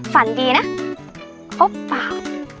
ฝันดีนะครบเปล่า